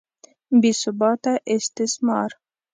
بې ثباته استثمار.